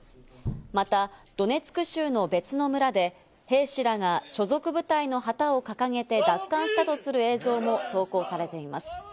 またドネツク州の別の村で兵士らが所属部隊の旗を掲げて奪還したとする映像も投稿されています。